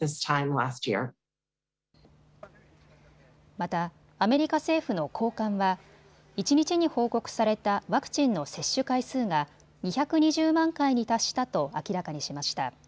またアメリカ政府の高官は一日に報告されたワクチンの接種回数が２２０万回に達したと明らかにしました。